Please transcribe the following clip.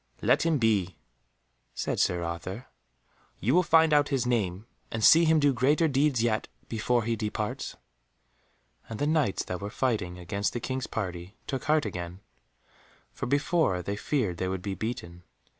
"Let him be," said Sir Arthur, "you will find out his name, and see him do greater deeds yet, before he departs." And the Knights that were fighting against the King's party took heart again, for before they feared they would be beaten.